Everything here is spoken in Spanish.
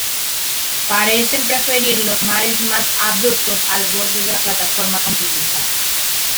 Parecen preferir los mares más abruptos al borde de la plataforma continental.